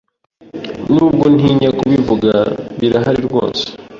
nubwo ntinya kubivuga birahari rwose